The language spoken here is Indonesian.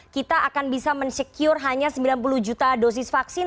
kita akan bisa mensecure hanya sembilan puluh juta dosis vaksin